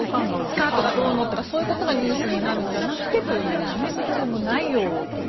スカートがどうのとかそういうことがニュースになるのではなくて公務内容という。